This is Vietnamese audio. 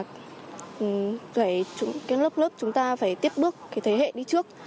cái lớp lớp chúng ta phải tiếp bước cái thế hệ đi trước